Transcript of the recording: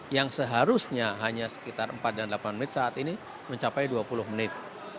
yang seharusnya hanya sekitar empat dan delapan menit saat ini mencapai dua puluh menit